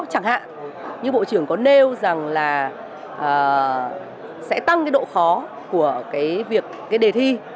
chẳng hạn như bộ trưởng có nêu rằng là sẽ tăng cái độ khó của cái việc cái đề thi